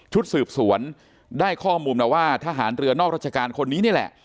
สืบสวนได้ข้อมูลมาว่าทหารเรือนอกราชการคนนี้นี่แหละ